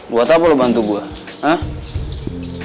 buat apa lo bantu gue